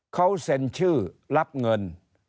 เขาเซ็นชื่อรับเงิน